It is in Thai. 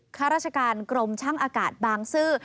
ข้าราชการกรมช่างอากาศบางซื่อ